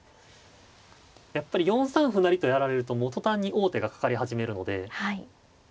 やっぱり４三歩成とやられると途端に王手がかかり始めるので。